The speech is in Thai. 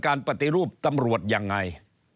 ปฏิรูปตำรวจยังไง